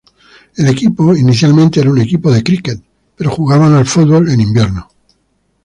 El equipo inicialmente era un equipo de críquet, pero jugaban al fútbol en invierno.